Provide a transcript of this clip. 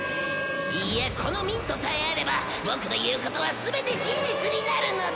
いやこのミントさえあればボクの言うことは全て真実になるのだ！